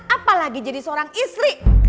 apalagi jadi seorang istri